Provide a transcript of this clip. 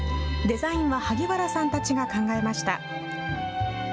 デザインは萩原さんたちが考えました。